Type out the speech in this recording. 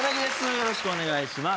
よろしくお願いします